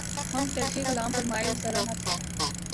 ہم تلخیِ کلام پہ مائل ذرا نہ تھے